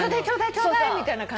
ちょうだい！」みたいな感じなの？